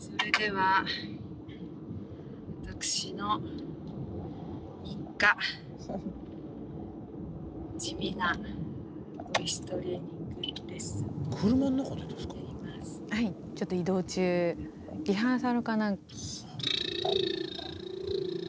はいちょっと移動中リハーサルかな。